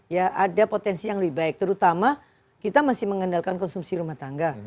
ya ada potensi yang lebih baik terutama kita masih mengandalkan konsumsi rumah tangga